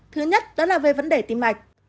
thứ nhất đó là về vấn đề tử vong